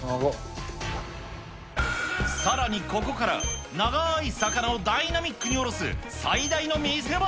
さらにここから、長ーい魚をダイナミックにおろす、最大の見せ場。